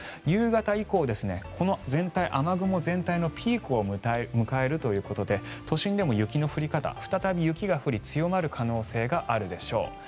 夕方以降、この雨雲全体ピークを迎えるということで都心でも雪の降り方再び雪が降り強まる可能性があるでしょう。